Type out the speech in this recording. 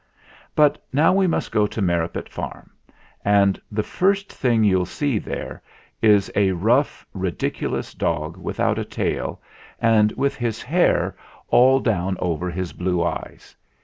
But now we must go to Merripit Farm ; and the first thing you'll see there is a rough ridic ulous dog without a tail and with his hair all down over his blue eyes.